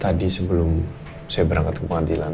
tadi sebelum saya berangkat ke pengadilan